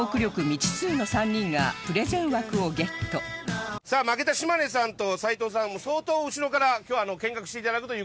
未知数の３人がプレゼン枠をゲットさあ負けた島根さんと齋藤さんは相当後ろから今日見学して頂くという事になるんですけど。